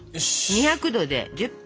２００℃で１０分。